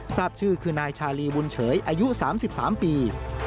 ทราบชื่อคือนายชาลีบุญเฉยอายุ๓๓ปี